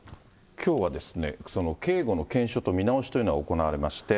きょうは警護の検証と見直しというのが行われまして。